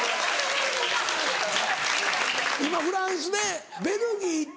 今フランスでベルギー行って？